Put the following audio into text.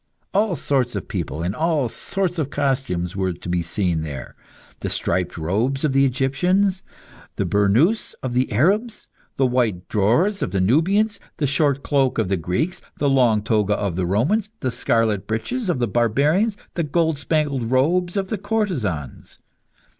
All sorts of people, in all sorts of costumes, were to be seen there; the striped robes of the Egyptians, the burnoose of the Arabs, the white drawers of the Nubians, the short cloak of the Greeks, the long toga of the Romans, the scarlet breeches of the barbarians, the gold spangled robes of the courtesans.